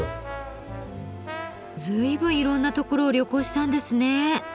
随分いろんなところを旅行したんですね。